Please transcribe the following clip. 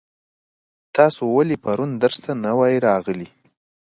تاسو ولې پرون درس ته نه وای راغلي؟